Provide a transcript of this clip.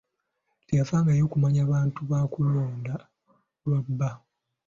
Teyafangayo kumanya bantu ba ku ludda lwa bba.